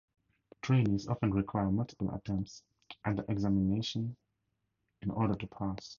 Trainees often require multiple attempts at the examination in order to pass.